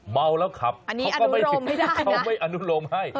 เมาแล้วขับเขาก็ไม่อนุโลมให้